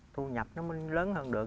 thu nhập nó mới lớn hơn được